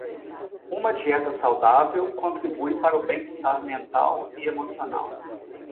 Uma dieta saudável contribui para o bem-estar mental e emocional.